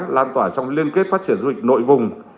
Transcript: lan tỏa trong liên kết phát triển du lịch nội vùng